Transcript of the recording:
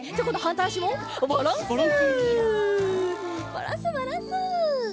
バランスバランス！